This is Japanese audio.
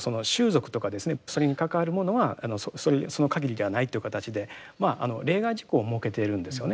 それに関わるものはその限りではないっていう形でまあ例外事項を設けているんですよね。